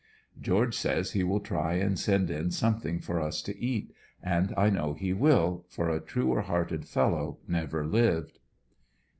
George says he will try and send in something for us to eat, and I know he will, for a truer hearted fellow never lived.